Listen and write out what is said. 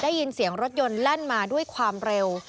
ได้ยินเสียงรถยนต์แล่นมาด้วยความเร็ว